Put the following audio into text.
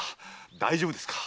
大丈夫ですか？